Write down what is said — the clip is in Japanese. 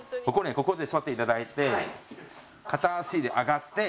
ここに座っていただいて片足で上がってこういう風に。